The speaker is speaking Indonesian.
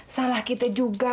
salah kita juga